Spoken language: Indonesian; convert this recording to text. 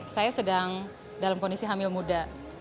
saya sedang dalam kondisi hamil muda